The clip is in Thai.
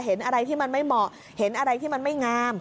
เห็นอะไรที่มันไม่เหมาะเห็นอะไรที่มันไม่งาม